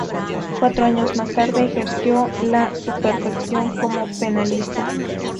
Cuatro años más tarde ejerció la su profesión como penalista.